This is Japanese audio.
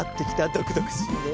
どくどくしいね。